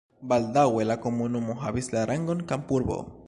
Baldaŭe la komunumo havis la rangon kampurbo.